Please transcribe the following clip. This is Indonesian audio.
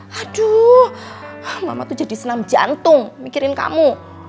hah aduh mama tuh jadi senam jantung mikirin kamu